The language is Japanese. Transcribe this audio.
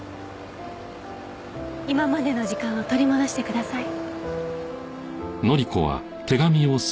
今までの時間を取り戻してください。